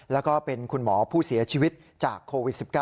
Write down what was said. แล้วก็เป็นคุณหมอผู้เสียชีวิตจากโควิด๑๙